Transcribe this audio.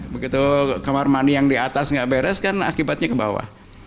begitu kamar mandi yang di atas nggak beres kan akibatnya ke bawah